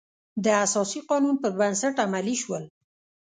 د اساسي قانون پر بنسټ عملي شول.